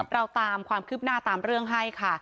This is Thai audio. เราตามความคืบหน้าตามเรื่องให้ค่ะ